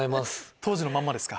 当時のまんまですか？